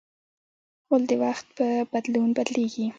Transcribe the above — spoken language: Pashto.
غول د وخت په بدلون بدلېږي.